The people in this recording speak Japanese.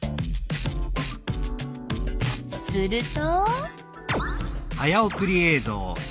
すると。